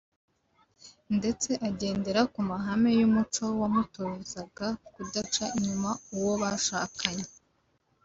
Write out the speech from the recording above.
ndetse agendera ku mahame y’umuco wamutozaga kudaca inyuma uwo bashakanye